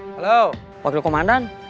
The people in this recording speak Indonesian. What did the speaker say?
halo wakil komandan